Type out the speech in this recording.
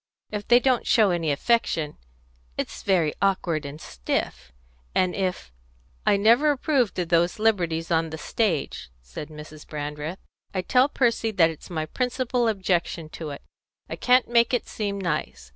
If they don't show any affection it's very awkward and stiff; and if " "I never approved of those liberties on the stage," said Mrs. Brandreth. "I tell Percy that it's my principal objection to it. I can't make it seem nice.